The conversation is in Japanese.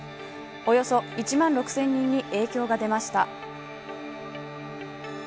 およそ１万６０００人に影響が出ました。